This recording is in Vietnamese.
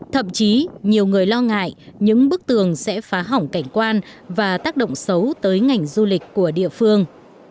thậm chí nhiều người lo ngại những bức tường sẽ phá hỏng cảnh quan và tác động xấu tới ngành du lịch của địa phương